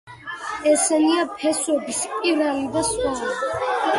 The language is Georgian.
ესენია „ფესვები“, „სპირალი“ და სხვა.